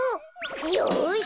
よし！